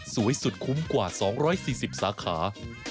สุดคุ้มกว่า๒๔๐สาขา